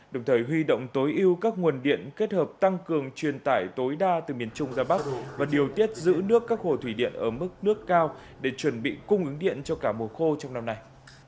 đồng thời huy động tối ưu các nguồn điện kết hợp tăng cường truyền tải tối đa từ miền trung ra bắc và điều tiết giữ nước các hồ thủy điện ở mức nước cao để chuẩn bị cung ứng điện cho cả mùa khô trong năm nay